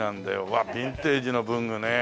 わっビンテージの文具ねえ。